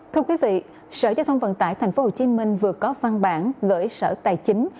thưa quý vị sở giao thông vận tải tp hcm vừa có văn bản gửi sở tài chính